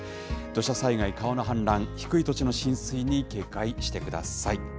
土砂災害、川の氾濫、低い土地の浸水に警戒してください。